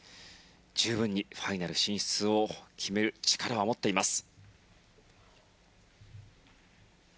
十分にファイナル進出を決める力を持っています。